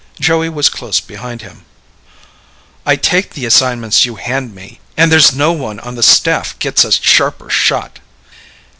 Joey was close behind him. "I take the assignments you hand me. And there's no one on the staff gets a sharper shot."